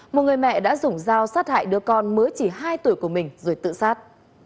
một người mẹ đã dùng dao sát hại đứa con mới chỉ hai tuổi của mình rồi tự sát